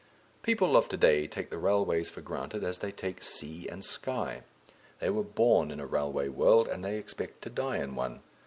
People of to day take the railways for granted as they take sea and sky; they were born in a railway world, and they expect to die in one.